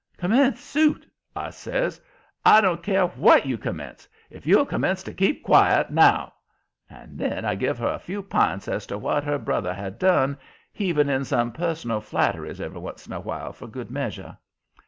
"Commence suit!" I says. "I don't care WHAT you commence, if you'll commence to keep quiet now!" And then I give her a few p'ints as to what her brother had done, heaving in some personal flatteries every once in a while for good measure.